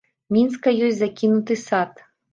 Мінска ёсць закінуты сад.